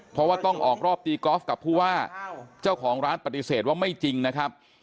เพราะว่าต้องออกรอบตีกอล์ฟกับผู้ว่าเจ้าของร้านปฏิเสธว่าไม่จริงนะครับ